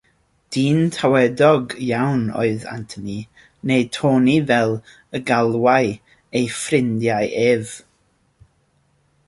Dyn tawedog iawn oedd Anthony, neu Tony fel y galwai ei ffrindiau ef.